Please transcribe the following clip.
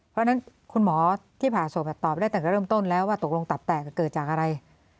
เพราะฉะนั้นคุณหมอที่ผ่าศพตอบได้ตั้งแต่เริ่มต้นแล้วว่าตกลงตับแตกเกิดจากอะไร